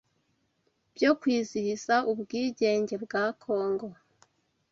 byo kwizihiza ubwigenge bwa Congo